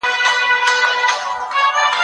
سياست به تل د ټولنيزو اړيکو لوبه وي.